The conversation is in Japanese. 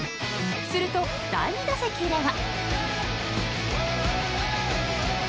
すると、第２打席では。